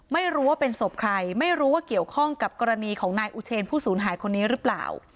ไม่รู้ว่าเป็นศพใครไม่รู้ว่าเกี่ยวข้องกับกรณีของนายอุเชนผู้สูญหายคนนี้หรือเปล่า